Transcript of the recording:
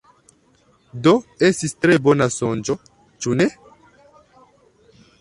Do estis tre bona sonĝo, ĉu ne?